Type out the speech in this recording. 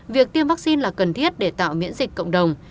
việc tiêm vaccine là cần thiết để tạo miễn dịch cộng đồng